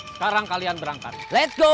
sekarang kalian berangkat let's go